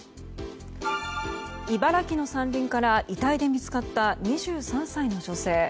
茨城の山林から遺体で見つかった２３歳の女性。